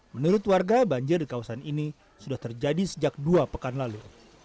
menurut warga banjir di kawasan ini sudah terjadi sejak dua pekan lalu